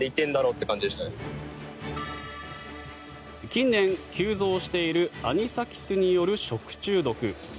近年、急増しているアニサキスによる食中毒。